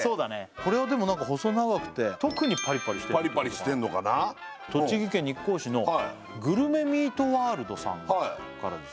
これはでもなんか細長くて特にパリパリしてるパリパリしてんのかな栃木県日光市のグルメミートワールドさんからです